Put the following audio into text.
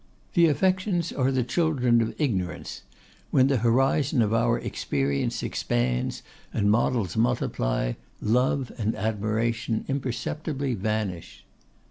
The affections are the children of ignorance; when the horizon of our experience expands, and models multiply, love and admiration imperceptibly vanish.